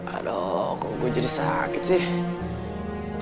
aduh kok gue jadi sakit sih